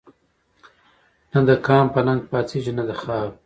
نه دقام په ننګ پا څيږي نه دخاوري